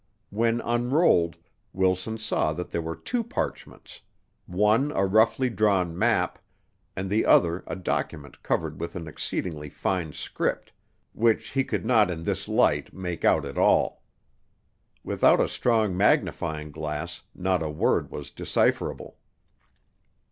When unrolled Wilson saw that there were two parchments; one a roughly drawn map, and the other a document covered with an exceedingly fine script which he could not in this light make out at all. Without a strong magnifying glass, not a word was decipherable.